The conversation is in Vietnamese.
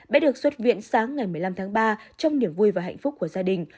bé được xuất viện sáng ngày một mươi năm tháng ba trong niềm vui và hạnh phúc của gia đình